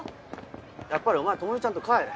やっぱりお前朋美ちゃんと帰れ。